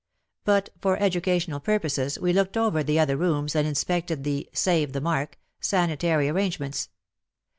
But for educational pur poses we looked over the other rooms and inspected the (save the mark) sanitary arrange ments.